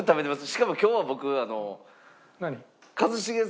しかも今日は僕あの。